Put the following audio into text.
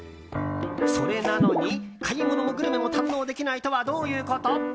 それなのに、買い物もグルメも堪能できないとはどういうこと？